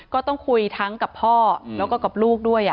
ก็ต้องคุยทั้งกับพ่อแล้วก็กับลูกด้วย